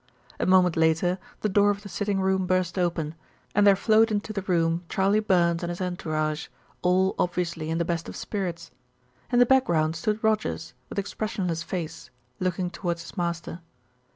A moment later the door of the sitting room burst open, and there flowed into the room Charley Burns and his entourage, all obviously in the best of spirits. In the background stood Rogers, with expressionless face, looking towards his master.